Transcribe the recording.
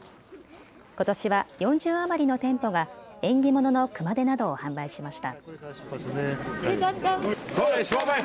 ことしは４０余りの店舗が縁起物の熊手などを販売しました。